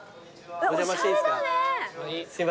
お邪魔していいですか？